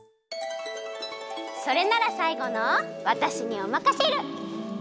それならさいごのわたしにおまかシェル！